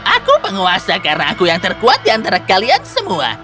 aku penguasa karena aku yang terkuat di antara kalian semua